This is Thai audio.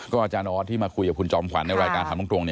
อาจารย์ออสที่มาคุยกับคุณจอมขวัญในรายการถามตรง